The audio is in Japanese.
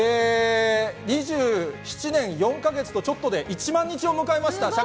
２７年４か月とちょっとで１万日を迎えました。